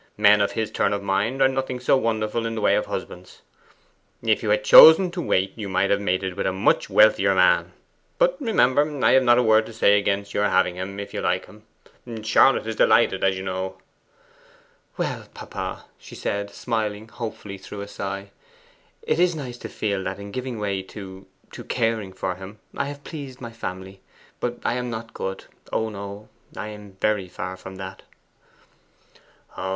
Men of his turn of mind are nothing so wonderful in the way of husbands. If you had chosen to wait, you might have mated with a much wealthier man. But remember, I have not a word to say against your having him, if you like him. Charlotte is delighted, as you know.' 'Well, papa,' she said, smiling hopefully through a sigh, 'it is nice to feel that in giving way to to caring for him, I have pleased my family. But I am not good; oh no, I am very far from that!